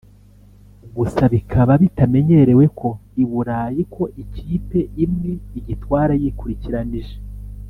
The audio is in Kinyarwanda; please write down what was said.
gusa bikaba bitamenyerewe ko i Burayi ko ikipe imwe igitwara yikurikiranije